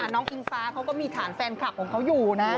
อิงฟ้าเขาก็มีฐานแฟนคลับของเขาอยู่นะ